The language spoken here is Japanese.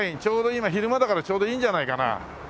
今昼間だからちょうどいいんじゃないかな。